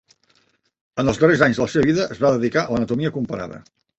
En els darrers anys de la seva vida, es va dedicar a l'anatomia comparada.